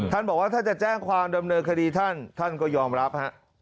ท่านบอกว่าถ้าจะแจ้งความดำเนินคดีท่านท่านก็ยอมรับฮะ